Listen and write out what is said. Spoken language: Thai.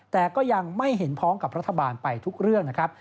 แต่ก็ยังไม่เห็นพ้องกับรัฐบาลไปทุกเรื่องนะครับ